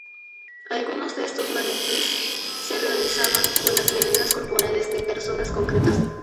Algunos de estos maniquíes se realizaban con las medidas corporales de personas concretas.